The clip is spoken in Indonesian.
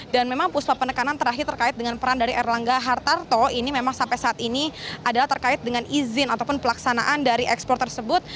dan memang puspa penekanan terakhir terkait dengan peran dari erlangga hartarto ini memang sampai saat ini adalah terkait dengan izin ataupun pelaksanaan dari ekspor tersebut